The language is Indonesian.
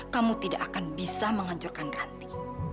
kamu tidak akan bisa menghancurkan ranti